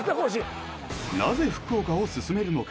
なぜ福岡を薦めるのか